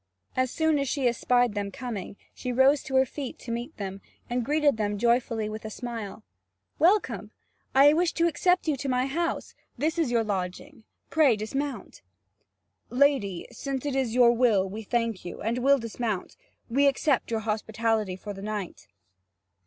As soon as she espied them coming, she rose to her feet to meet them, and greeted them joyfully with a smile: "Welcome! I wish you to accept my house; this is your lodging; pray dismount" "Lady, since it is your will, we thank you, and will dismount; we accept your hospitality for the night."